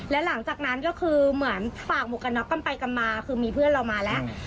แล้วหลังจากนั้นก็คือเหมือนฝากหมวกกันน็อกกันไปกันมาคือมีเพื่อนเรามาแล้ว